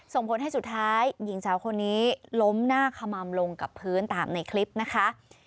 ส่งผลให้สุดท้ายหญิงสาวคนนี้ล้มหน้าขม่ำลงกับพื้นตามในคลิปนะคะ